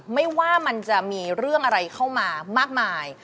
ไม่ว่ามันจะมีเรื่องอะไรเข้ามามากมาย